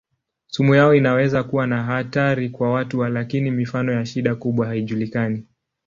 Sumu yao inaweza kuwa na hatari kwa watu lakini mifano ya shida kubwa haijulikani.